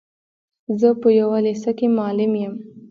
زه په يوه لېسه کي معلم يم.